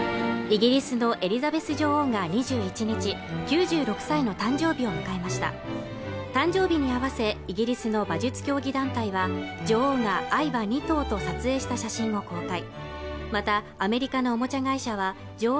イギリスのエリザベス女王が２１日９６歳の誕生日を迎えました誕生日に合わせイギリスの馬術競技団体は女王は愛馬２頭と撮影した写真を公開